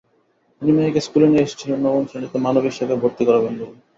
তিনি মেয়েকে স্কুলে নিয়ে এসেছিলেন নবম শ্রেণীতে মানবিক শাখায় ভর্তি করাবেন বলে।